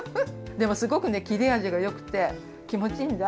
でもすごくねきれあじがよくてきもちいいんだ。